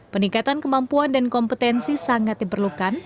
peningkatan kemampuan dan kompetensi sangat diperlukan